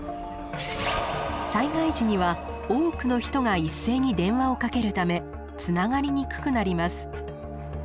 災害時には多くの人が一斉に電話をかけるためつながりにくくなります。